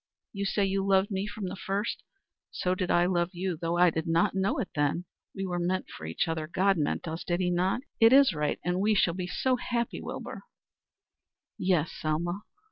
You say you loved me from the first; so did I love you, though I did not know it then. We were meant for each other God meant us did he not? It is right, and we shall be so happy, Wilbur." "Yes, Selma."